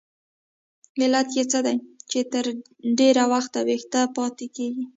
علت یې څه دی چې تر ډېره وخته ویښه پاتې کیږي؟